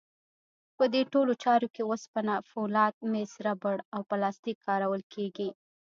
په دې ټولو چارو کې وسپنه، فولاد، مس، ربړ او پلاستیک کارول کېږي.